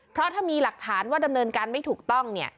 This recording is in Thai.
เพราะถ้ามีหลักฐานว่าดำเนินการไม่ถูกต้องเนี่ย